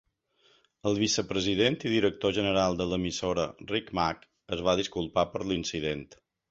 El vicepresident i director general de l'emissora Rick Mack es va disculpar per l'incident.